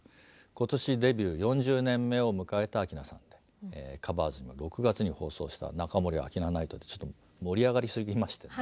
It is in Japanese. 今年デビュー４０年目を迎えた明菜さんで「ｔｈｅＣｏｖｅｒｓ」の６月に放送した「中森明菜ナイト」でちょっと盛り上がりすぎましてね。